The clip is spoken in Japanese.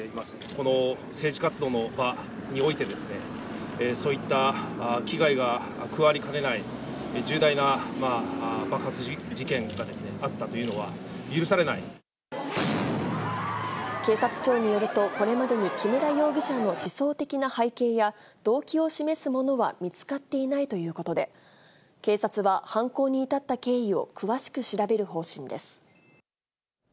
この政治活動の場においてですね、そういった危害が加わりかねない重大な爆発事件がですね、あった警察庁によると、これまでに木村容疑者の思想的な背景や、動機を示すものは見つかっていないということで、警察は犯行に至った経緯を詳しく調べる方針です。